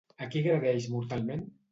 A qui agredeix mortalment?